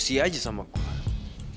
bosnya aja sama gue